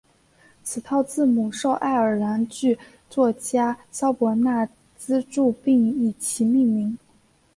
此套字母受爱尔兰剧作家萧伯纳资助并以其命名。